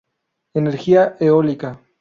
Energía eólica.